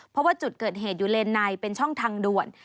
เพราะว่าจุดเกิดเหตุอยู่เลนในเป็นช่องทางด่วน